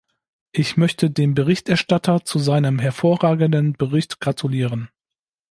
Ich möchte dem Berichterstatter zu seinem hervorragenden Bericht gratulieren.